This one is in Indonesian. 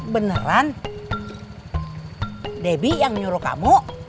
beneran debbie yang nyuruh kamu